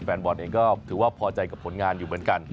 แฟนบอลเองก็ถือว่าพอใจกับผลงานอยู่เหมือนกัน